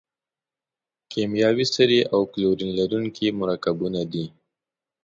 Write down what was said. کیمیاوي سرې او کلورین لرونکي مرکبونه دي.